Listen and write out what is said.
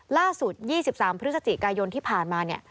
ล่าสุด๒๓พฤศจิกายนที่ผ่านมา